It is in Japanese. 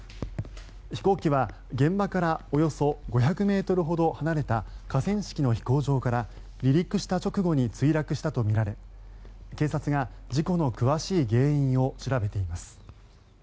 飛行機は、現場からおよそ５００ｍほど離れた河川敷の飛行場から離陸した直後に墜落したとみられ警察が事故の詳しい原因を調べています。